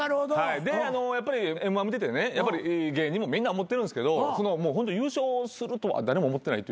でやっぱりＭ−１見ててね芸人もみんな思ってるんすけど優勝するとは誰も思ってないというか。